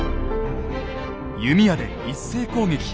弓矢で一斉攻撃。